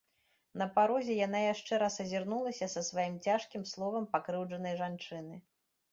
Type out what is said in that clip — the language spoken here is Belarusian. На парозе яна яшчэ раз азірнулася са сваім цяжкім словам пакрыўджанай жанчыны.